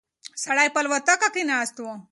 سړی په الوتکه کې ناست و.